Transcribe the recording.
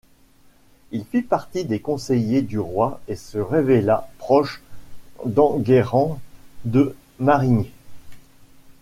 Il fit partie des conseillers du Roi et se révéla proche d'Enguerrand de Marigny.